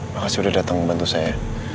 makasih sudah datang membantu saya